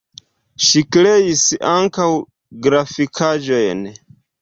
Ŝi kreis ankaŭ grafikaĵojn.